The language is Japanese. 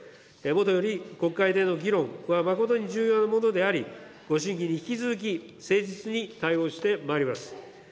もとより、国会での議論は誠に重要なものであり、ご審議に引き続き、誠実に対応してまいります。